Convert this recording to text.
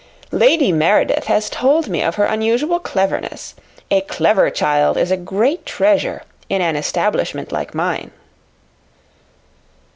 "Lady Meredith has told me of her unusual cleverness. A clever child is a great treasure in an establishment like mine."